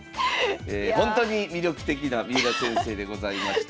ほんとに魅力的な三浦先生でございました。